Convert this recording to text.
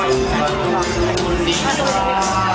สวัสดีครับ